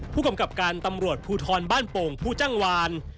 พวก้ำกรับการตำรวจพูทอลบ้านปงพูศจังวาร